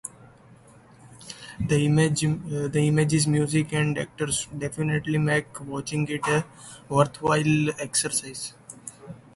The images, music and actors definitely make watching it a worthwhile exercise.